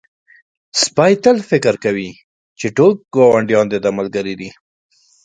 سپی تل فکر کوي چې ټول ګاونډیان د ده ملګري دي.